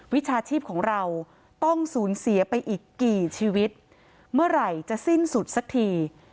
วิชาชีพของเราต้องสูญเสียไปอีกกี่ชีวิตเมื่อไหร่จะสิ้นสุดสักที